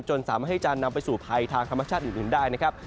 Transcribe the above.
สามารถให้จะนำไปสู่ภัยทางธรรมชาติอื่นได้นะครับ